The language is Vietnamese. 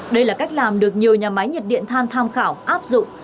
đây là cách làm được nhiều nhà máy nhiệt điện than tham khảo áp dụng